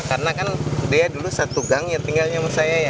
karena kan dia dulu satu gang yang tinggal sama saya ya